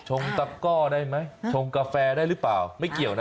งตะก้อได้ไหมชงกาแฟได้หรือเปล่าไม่เกี่ยวนะ